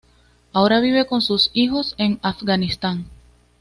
Ahora vive con sus hijos en Afganistán.